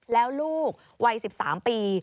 แล้วลูกวัย๑๓ปี